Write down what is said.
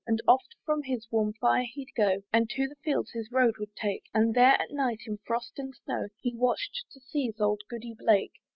And oft from his warm fire he'd go, And to the fields his road would take, And there, at night, in frost and snow, He watch'd to seize old Goody Blake.